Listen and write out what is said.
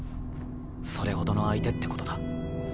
それほどの相手ってことだ。